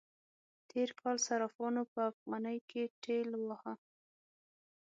تېر کال صرافانو په افغانی کې ټېل واهه.